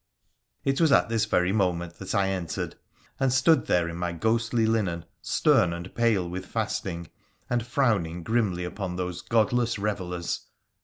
It was at this very moment that I entered, and stood there in my ghostly linen, stern and pale with fasting, and frowning grimly upon those godless revellers.